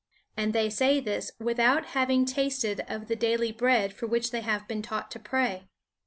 And they say this without having tasted of the daily bread for which they have been taught to pray.